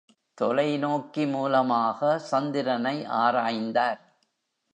தொலை நோக்கி மூலமாக சந்திரனை ஆராய்ந்தார்!